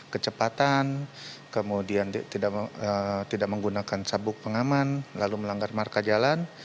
kecepatan kemudian tidak menggunakan sabuk pengaman lalu melanggar marka jalan